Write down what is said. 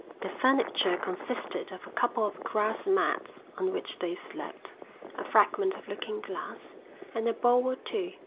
Their furniture consisted of a couple of grass mats on which they slept, a fragment of looking glass, and a bowl or two.